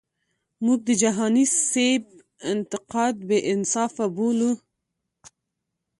مونږ د جهانی سیب انتقاد بی انصافه بولو.